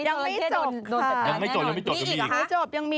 อยู่ตรงนี้ฉันต้องคอยหลุก